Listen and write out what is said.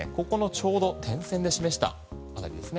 ちょうど点線で示した辺りです。